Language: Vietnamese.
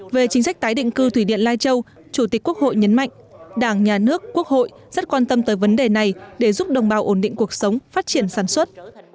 về chính sách tái định cư thủy điện lai châu chủ tịch quốc hội nhấn mạnh đảng nhà nước quốc hội rất quan tâm tới vấn đề này để giúp đồng bào ổn định cuộc sống phát triển sản xuất